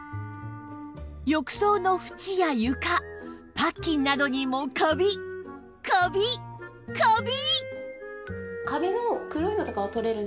浴槽の縁や床パッキンなどにもカビカビカビ！